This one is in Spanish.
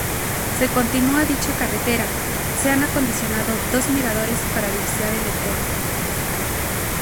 Si se continua dicha carretera, se han acondicionado dos miradores para divisar el entorno.